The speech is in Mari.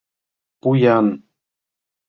Пу-ян!..